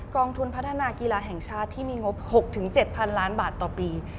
องทุนพัฒนากีฬาแห่งชาติที่มีงบ๖๗๐๐ล้านบาทต่อปี